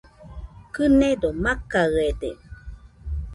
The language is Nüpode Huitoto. Kɨnedo makaɨede